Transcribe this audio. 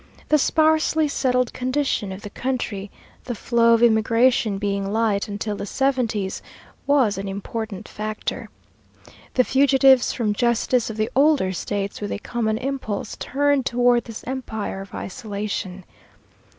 The sparsely settled condition of the country, the flow of immigration being light until the seventies, was an important factor. The fugitives from justice of the older States with a common impulse turned toward this empire of isolation.